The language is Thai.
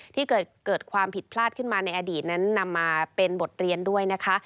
ที่เกิดความผิดพลาดขึ้นมาในอดีตนั้นนำมาเป็นบทเรียนด้วยนะคะ